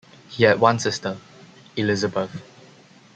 He had one sister, Elizabeth.